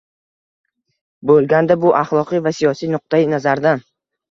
bo‘lganda bu axloqiy va siyosiy nuqtai nazardan